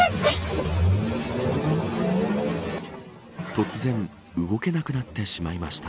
突然動けなくなってしまいました。